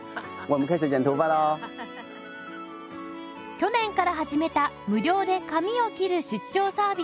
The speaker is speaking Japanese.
去年から始めた無料で髪を切る出張サービス